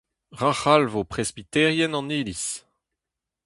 Ra c’halvo presbiterien an Iliz.